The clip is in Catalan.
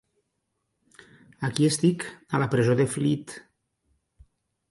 Aquí estic, a la presó de Fleet.